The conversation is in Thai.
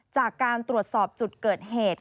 จากการตรวจสอบจุดเกิดเหตุ